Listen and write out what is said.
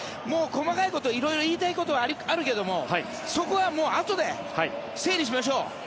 細かいこと色々言いたいことはあるけれどもそこはあとで整理しましょう。